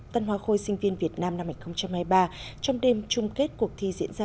tân hoa khôi sinh viên việt nam ảnh hai mươi ba trong đêm chung kết cuộc thi diễn ra